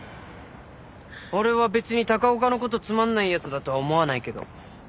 俺は別に高岡のことつまんないやつだとは思わないけど。